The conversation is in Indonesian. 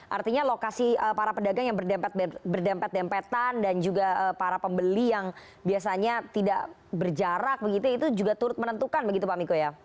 artinya lokasi para pedagang yang berdempet dempetan dan juga para pembeli yang biasanya tidak berjarak begitu itu juga turut menentukan begitu pak miko ya